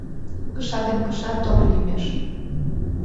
Кыша ден кыша тор лиймеш.